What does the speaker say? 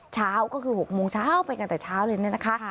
เช้าก็คือ๖โมงเช้าไปกันแต่เช้าเลยเนี่ยนะคะ